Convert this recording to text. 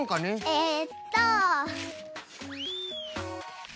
えっと。